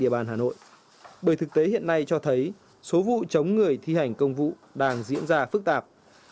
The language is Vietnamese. bởi thực tế hiện nay cho thấy số vụ chống người thi hành công vụ đang diễn ra phức tạp